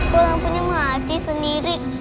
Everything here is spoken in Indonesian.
kok lampunya mati sendiri